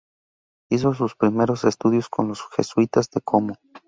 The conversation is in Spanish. Hizo sus primeros estudios con los jesuitas de Como.